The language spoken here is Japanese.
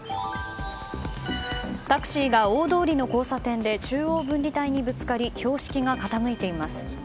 タクシーが大通りの交差点で中央分離帯にぶつかり標識が傾いています。